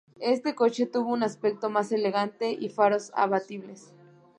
Este coche tuvo un aspecto más elegante y faros abatibles.